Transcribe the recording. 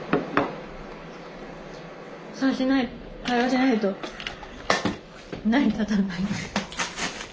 そうしないと会話しないと成り立たない。